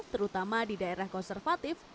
terutama di daerah konservatif